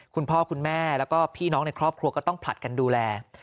คุณพ่อคุณแม่แล้วก็พี่น้องในครอบครัวก็ต้องผลัดกันดูแล